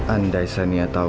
andai sania tahu